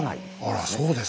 ああらそうですか。